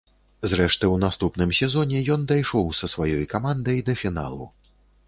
Зрэшты, у наступным сезоне ён дайшоў са сваёй камандай да фіналу.